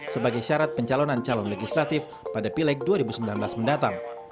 sebagai syarat pencalonan calon legislatif pada pileg dua ribu sembilan belas mendatang